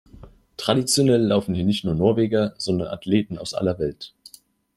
Traditionell laufen hier nicht nur Norweger, sondern Athleten aus aller Welt.